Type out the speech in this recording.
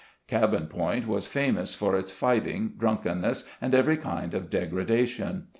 "Cabin Point" was famous for its fighting, drunk enness, and every kind of degradation.